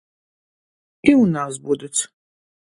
І ў нас будуць.